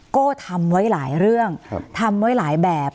โก้ทำไว้หลายเรื่องทำไว้หลายแบบ